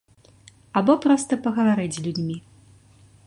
Або проста пагаварыць з людзьмі.